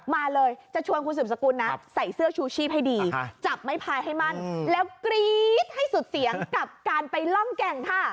มาเลยจะชวนคุณสืบสกุลนะใส่เสื้อชูชีพให้ดีจับไม้พายให้มั่นแล้วกรี๊ดให้สุดเสียงกับการไปล่องแก่งค่ะ